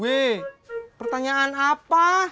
hei pertanyaan apa